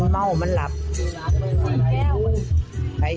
มันเมาล์มันหลับ